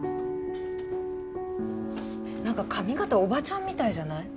何か髪形おばちゃんみたいじゃない？